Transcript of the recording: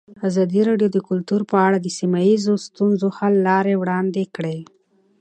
ازادي راډیو د کلتور په اړه د سیمه ییزو ستونزو حل لارې راوړاندې کړې.